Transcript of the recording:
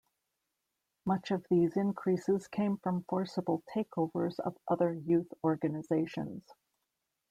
Much of these increases came from forcible takeovers of other youth organisations.